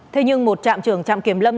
thế nhưng một trạm trưởng trạm kiểm lâm